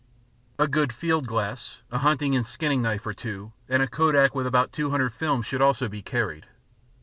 A good field glass, a hunting and skinning knife or two, and a Kodak with about 200 films should also be carried.